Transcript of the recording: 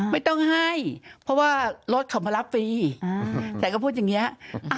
ไม่ต้องให้เพราะว่ารถขับมารับฟรีอ่าแต่ก็พูดอย่างเงี้ยอ่า